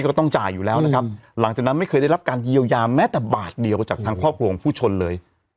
ก็ต้องจ่ายอยู่แล้วนะครับหลังจากนั้นไม่เคยได้รับการเยียวยาแม้แต่บาทเดียวจากทางครอบครัวของผู้ชนเลย